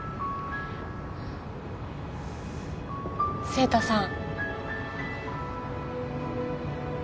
晴太さん